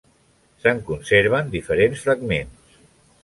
Se'n conserven diferents fragments.